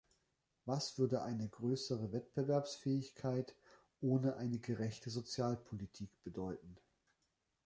Was würde eine größere Wettbewerbsfähigkeit ohne eine gerechte Sozialpolitik bedeuten?